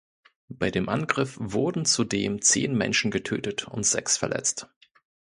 Bei dem Angriff wurden zudem zehn Menschen getötet und sechs verletzt.